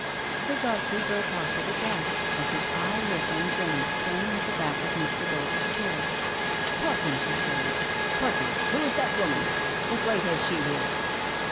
Sir Godfrey broke off with a gasp as his eye lit on Jenny standing at the back of Mr. Boulder's chair: " Parkins,'^ he shouted, " Parkins, who is that woman? What right has she here?"